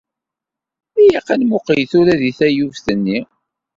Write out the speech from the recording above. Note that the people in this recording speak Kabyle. Ilaq ad nmuqel tura deg taluft-nni.